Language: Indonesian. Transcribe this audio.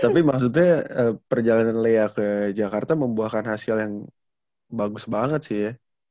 tapi maksudnya perjalanan lea ke jakarta membuahkan hasil yang bagus banget sih ya